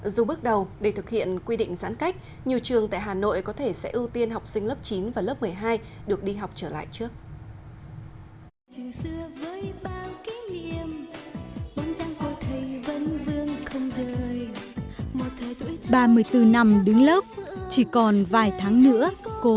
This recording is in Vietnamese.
dù bước đầu để thực hiện quy định giãn cách nhiều trường tại hà nội có thể sẽ ưu tiên học sinh lớp chín và lớp một mươi hai được đi học trở lại trước